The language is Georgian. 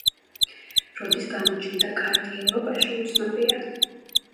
როდის გამოჩნდა კარტი ევროპაში, უცნობია.